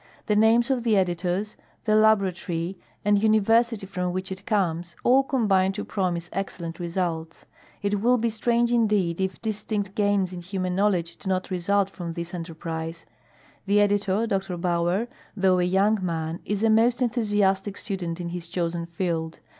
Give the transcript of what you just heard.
The names of the editors, the laboratory, and university from which it comes all combine to promise excellent results. It will be strange indeed if dis tinct gains in human knowledge do not result from this enterprise. The editor. Dr Bauer, though a young man, is a most enthusiastic student in his chosen field.